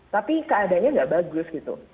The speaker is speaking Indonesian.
tapi keadaannya nggak bagus gitu